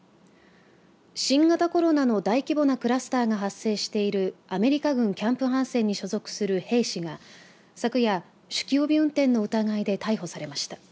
新型コロナの大規模なクラスターが発生しているアメリカ軍キャンプハンセンに所属する兵士が昨夜、酒気帯び運転の疑いで逮捕されました。